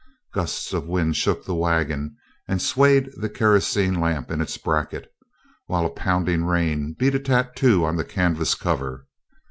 Gusts of wind shook the wagon and swayed the kerosene lamp in its bracket, while a pounding rain beat a tattoo on the canvas cover.